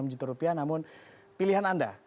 empat puluh enam juta rupiah namun pilihan anda